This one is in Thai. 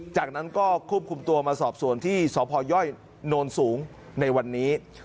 จากนั้นก็ควบคุมตัวมาสอบสวนที่สพยโนนสูงในวันนี้